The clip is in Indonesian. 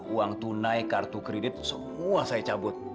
uang tunai kartu kredit semua saya cabut